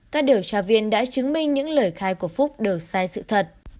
các điều tra viên đã chứng minh những lời khai của phúc đều sai sự thật